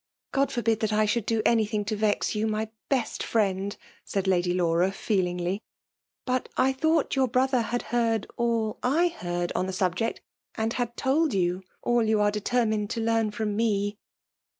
'* God Ibrbid^Aai I Bhoald do any tiling to vex youjmy best fioemd 1" ttid Lady Laiaa» feeling; but I thoiiglifc ycnr brother bad heard all /haard on the subject, and had told you all you are de^ termiiLBdl to lean from me.